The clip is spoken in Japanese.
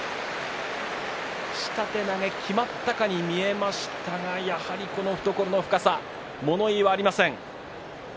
下手投げきまったかに見えましたが、やはり懐の深さ物言いはありません。